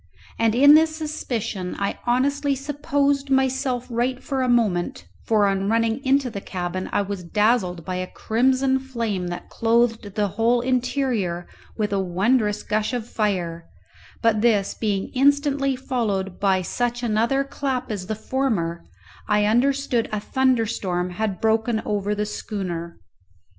And in this suspicion I honestly supposed myself right for a moment, for on running into the cabin I was dazzled by a crimson flame that clothed the whole interior with a wondrous gush of fire; but this being instantly followed by such another clap as the former, I understood a thunderstorm had broken over the schooner.